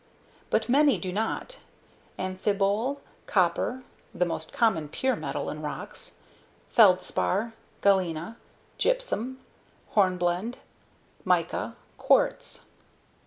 But many do not: amphibole, copper (the most common pure metal in rocks), feldspar, galena, gypsum, hornblende, mica, quartz.